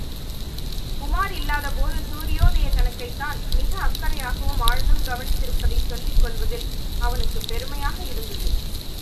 உமார் இல்லாத போது சூரியோதயக் கணக்கை தான் மிக அக்கறையாகவும் ஆழ்ந்தும் கவனித்திருப்பதைச் சொல்லிக் கொள்வதில் அவனுக்குப் பெருமையாக இருந்தது.